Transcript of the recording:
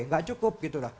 gak cukup gitu lah